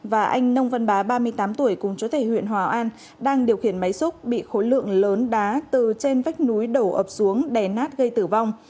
và anh nông văn bá ba mươi tám tuổi cùng chú thể huyện hòa an đang điều khiển máy xúc bị khối lượng lớn đá từ trên vách núi đổ ập xuống đè nát gây tử vong